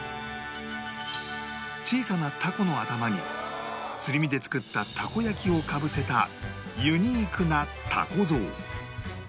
小さなたこの頭にすり身で作ったたこ焼きをかぶせたユニークなたこ蔵